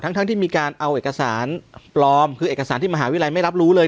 ทั้งที่มีการเอาเอกสารปลอมคือเอกสารที่มหาวิทยาลัยไม่รับรู้เลย